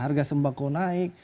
harga sembangkau naik